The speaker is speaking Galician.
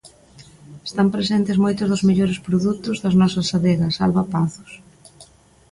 Están presentes moitos dos mellores produtos das nosas adegas, Alba Pazos.